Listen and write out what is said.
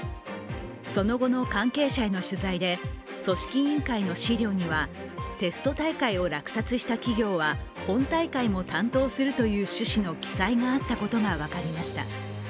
その後の関係者への取材で組織委員会の資料にはテスト大会を落札した企業は本大会も担当するという趣旨の記載があったことが分かりました。